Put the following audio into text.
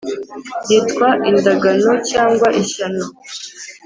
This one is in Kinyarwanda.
yitwa indagano cyangwa ishyano.